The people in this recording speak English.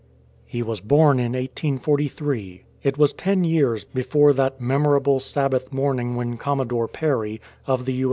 He was born in 1843; It was ten years before that memor able Sabbath morning when Commodore Perry, of the U.